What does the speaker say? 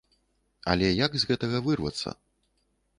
Але як з гэтага вырвацца?